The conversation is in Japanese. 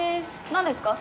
何ですか？